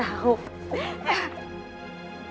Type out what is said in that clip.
tolong kasih tau